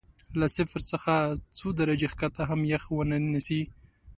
له صفر څخه څو درجې ښکته کې هم یخ ونه نیسي.